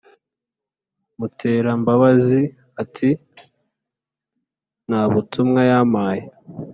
Muterambabazi ati"ntabutumwa yampaye